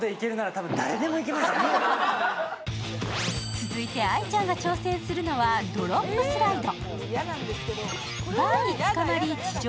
続いて愛ちゃんが挑戦するのはドロップスライド。